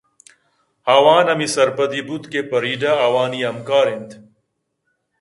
آوان ہمے سرپدی بوت کہ فریڈا آوانی ہمکاراِنت